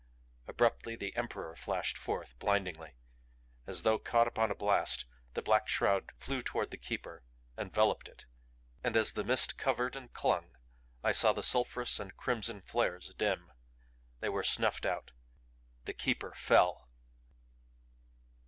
Abruptly the Emperor flashed forth, blindingly. As though caught upon a blast, the black shroud flew toward the Keeper enveloped it. And as the mist covered and clung I saw the sulphurous and crimson flares dim. They were snuffed out. The Keeper fell!